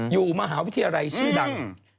อยู่มหาวิทยาลัยชื่อดัง